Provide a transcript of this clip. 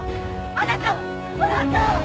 あなたあなた！